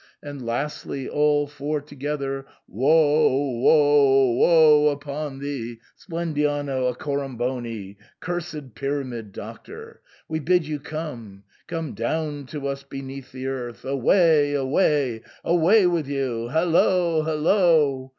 And lastly all four to gether, "Woe — woe — woe upon thee, Splendiano Ac coramboni, cursed Pyramid Doctor ! We bid you come — come down to us beneath the earth. Away — away — away with you ! Hallo ! hallo